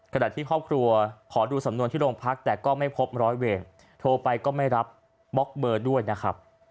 ขณะที่ครอบครัวขอดูสำนวนที่โรงพักแต่ก็ไม่พบร้อยเวรโทรไปก็ไม่รับบล็อกเบอร์ด้วยนะครับ